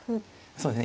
そうですね